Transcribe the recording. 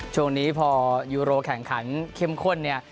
ช่วงนี้พอยูโรแข่งขันเข้มข้นเนี่ย